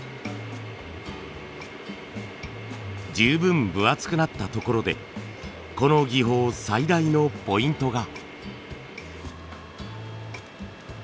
十分分厚くなったところでこの技法最大のポイントが。